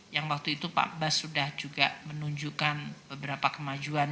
yang waktu itu pak bas sudah juga menunjukkan beberapa kemajuan